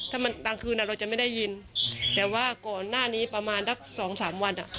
ถ้ามันกลางคืนเราจะไม่ได้ยินแต่ว่าก่อนหน้านี้ประมาณสักสองสามวันอ่ะ